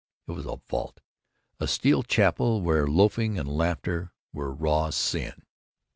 It was a vault, a steel chapel where loafing and laughter were raw sin.